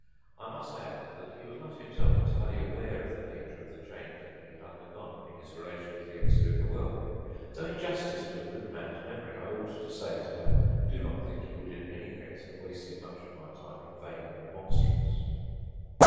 I must add that he was not himself entirely aware of the nature of the change that he had undergone in his relation to the exterior world, though in justice to a good man's memory I ought to say that I do not think he would in any case have wasted much of my time in vain remonstrance.